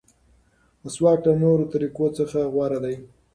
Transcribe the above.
مسواک له نورو طریقو څخه غوره دی.